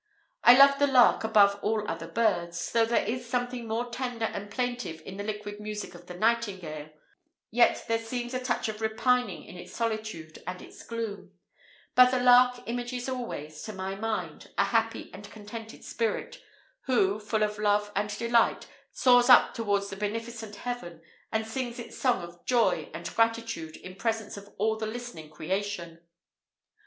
I love the lark above all other birds. Though there is something more tender and plaintive in the liquid music of the nightingale, yet there seems a touch of repining in its solitude and its gloom: but the lark images always to my mind a happy and contented spirit, who, full of love and delight, soars up towards the beneficent heaven, and sings its song of joy and gratitude in presence of all the listening creation.